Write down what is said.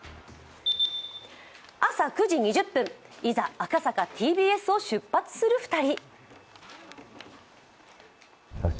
朝９時２０分、いざ赤坂ＴＢＳを出発する２人。